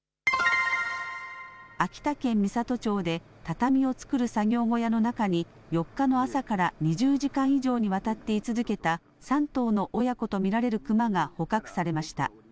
秋田県美郷町で畳を作る作業小屋の中に４日の朝から２０時間以上にわたって居続けた３頭の親子と見られるクマが捕獲されました。